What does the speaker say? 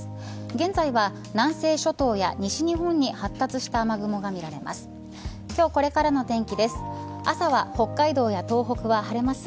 現在は南西諸島や西日本に発達した雨雲が見られます。